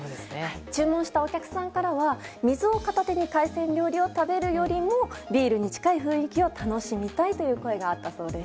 注文したお客さんからは水を片手に海鮮料理を食べるよりもビールに近い雰囲気を楽しみたいという声があったそうです。